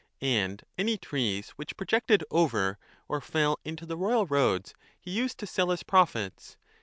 And any trees which projected over or fell into the royal roads he used to sell as profits.